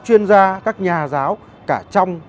chuyên gia các nhà giáo cả trong